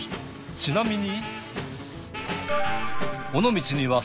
ちなみに。